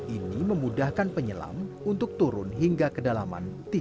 ini memudahkan penyelam untuk turun hingga kedalaman tiga puluh meter